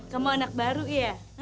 kamu anak baru ya